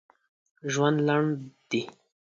ژوند لنډ دي!